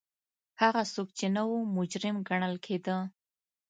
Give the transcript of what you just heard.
هغه څوک چې نه و مجرم ګڼل کېده.